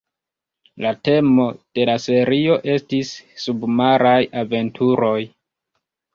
La temo de la serio estis submaraj aventuroj.